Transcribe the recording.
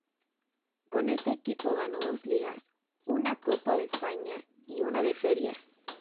Con este equipo ganó dos ligas, una copa de España y una de Ferias.